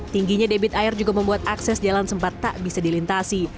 tingginya debit air juga membuat akses jalan sempat tak bisa dilintasi